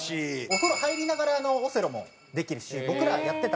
お風呂入りながらオセロもできるし僕らやってた。